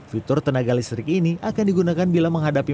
fitur tenaga listrik ini akan digunakan bila menghadapi